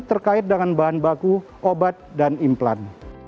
terkait dengan bahan baku obat dan implan